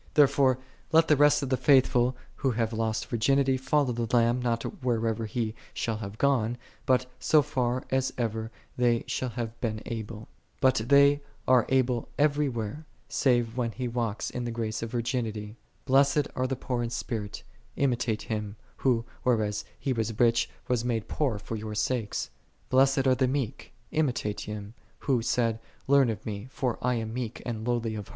Therefore let the rest of the faithful, who have lost virginity, follow the Lamb, not whithersoever He shall have gone, but so far as ever they shall have been able. But they are able every where, save when He walks in the grace of virginity. "Blessed are the poor in spirit;" " imitate Him, Who, "whereas "He was rich, was made poor for your sakes. "" "Blessed are the meek;" imitate Him, Who said, " Learn of Me, for I am meek and lowly 7 Ps. xcvi. i. 8 Rev. xiv. 1 5. v " Eructuahat." cf. I's. xlv. i. Vulg. ">.